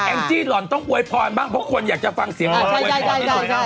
แอ้งจี้หล่อนต้องโวยพรบ้างเพราะคนอยากจะฟังเสียงว่าโวยพรก็ต้องโวยพร